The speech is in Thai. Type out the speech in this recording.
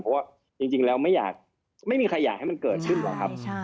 เพราะว่าจริงแล้วไม่มีใครอยากให้มันเกิดขึ้นหรอกครับ